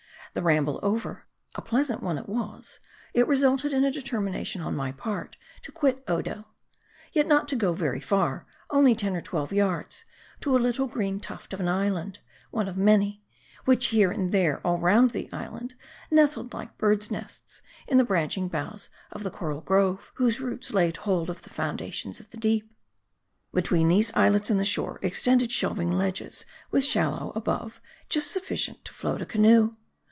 The ramble over a pleasant one it was it resulted in a determination on my part to quit Odo. Yet not to go very far ; only ten or twelve yards, to a little green tuft of an islet ; one of many, which here and there, all round the island, nestled like birds' nests in the branching boughs of the coral grove, whose roots laid hold of the foundations of the deep. Between these islets and the shore, extended shelving ledges, with shallows above, just sufficient to float a canoe.